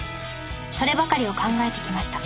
そればかりを考えてきました